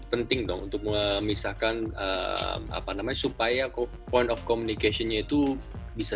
penting dong untuk memisahkan apa namanya supaya point of communication nya itu bisa